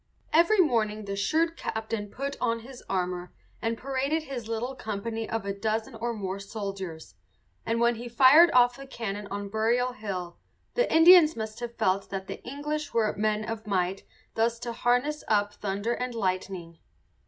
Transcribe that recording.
Every morning the shrewd captain put on his armour and paraded his little company of a dozen or more soldiers; and when he fired off the cannon on Burial Hill the Indians must have felt that the English were men of might thus to harness up thunder and lightning.